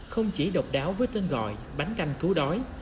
không chỉ độc đáo với tên gọi bánh canh cứu đói